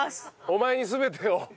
お前に全てを。